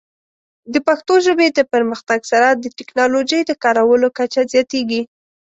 د پښتو ژبې د پرمختګ سره، د ټیکنالوجۍ د کارولو کچه زیاتېږي.